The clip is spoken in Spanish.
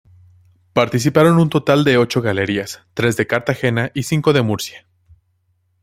Participaron un total de ocho galerías, tres de Cartagena y cinco de Murcia.